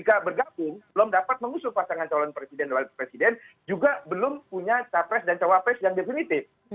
ketika bergabung belum dapat mengusung pasangan calon presiden dan wakil presiden juga belum punya capres dan cawapres yang definitif